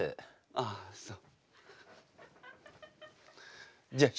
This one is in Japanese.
ああそう。